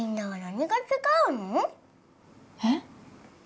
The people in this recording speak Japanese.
えっ？